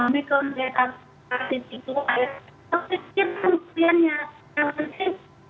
atau menggunakan beberapa terkoneksi yang terkoneksi